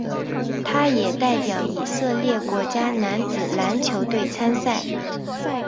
他也代表以色列国家男子篮球队参赛。